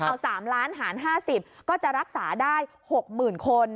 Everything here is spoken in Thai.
เอา๓ล้านหาร๕๐ก็จะรักษาได้๖๐๐๐คน